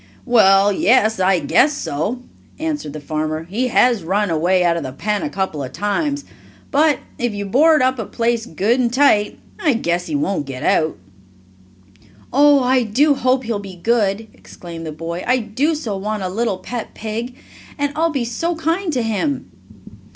"Well, yes, I guess so," answered the farmer. "He has run away out of the pen a couple of times, but if you board up a place good and tight, I guess he won't get out." "Oh, I do hope he'll be good!" exclaimed the boy. "I do so want a little pet pig, and I'll be so kind to him!"